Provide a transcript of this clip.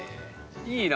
いいな。